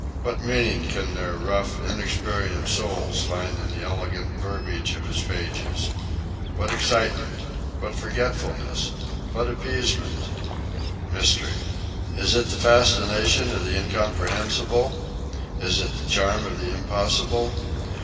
What meaning can their rough, inexperienced souls find in the elegant verbiage of his pages? What excitement? what forgetfulness? what appeasement? Mystery! Is it the fascination of the incomprehensible? is it the charm of the impossible?